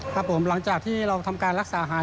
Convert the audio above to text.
ครับผมหลังจากที่เราทำการรักษาหาย